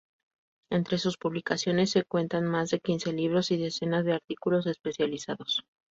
Entre sus publicaciones se cuentan más de quince libros y decenas de artículos especializados.